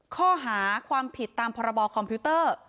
ข้อหาความผิดตามพรบคอมพิวเตอร์